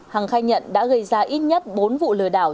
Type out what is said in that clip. hằng khai nhận đã gây ra ít nhất bốn vụ lừa đảo